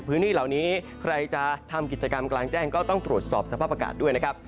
พื้นที่เหล่านี้ใครจะทำกิจกรรมกลางแจ้งก็ต้องตรวจสอบสภาพอากาศด้วยนะครับ